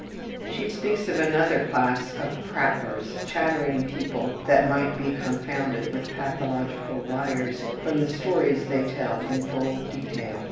She speaks of another class of prattlers, chattering people that might be confounded with pathological liars from the stories they tell in full detail.